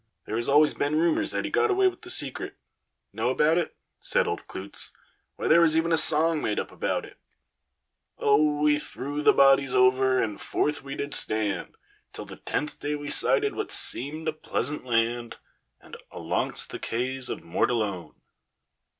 There has always been rumours that he got away with the secret. Know about it?" said old Klootz. "Why, there was even a song made up about it "'O, we threw the bodies over, and forth we did stand Till the tenth day we sighted what seemed a pleasant land, And alongst the Kays of Mortallone!'"